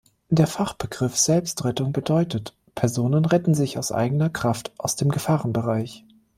Der Fachbegriff "Selbstrettung" bedeutet: "Personen retten sich aus eigener Kraft aus dem Gefahrenbereich".